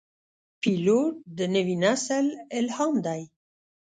پیلوټ د نوي نسل الهام دی.